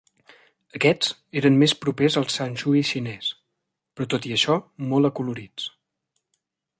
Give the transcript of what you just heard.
Aquests eren més propers al shan shui xinès, però tot i això molt acolorits.